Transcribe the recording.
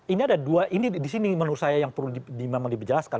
ini ada dua ini disini menurut saya yang perlu diperjelaskan